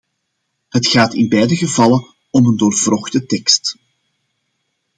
Het gaat in beide gevallen om een doorwrochte tekst.